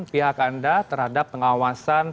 pihak anda terhadap pengawasan